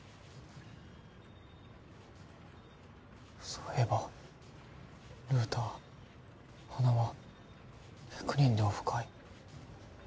そういえばルーター花輪１００人でオフ会